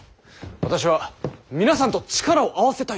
私は皆さんと力を合わせたいと。